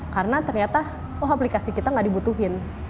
karena ternyata oh aplikasi kita nggak dibutuhin